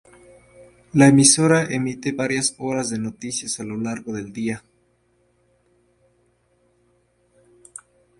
La emisora emite varias "horas de noticias" a lo largo del día.